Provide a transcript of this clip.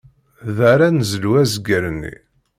Da ara nezlu azger-nni.